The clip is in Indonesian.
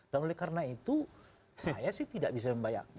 dan oleh karena itu saya sih tidak bisa membayang